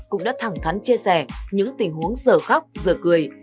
cũng đã thẳng thắn chia sẻ những tình huống sở khóc sở cười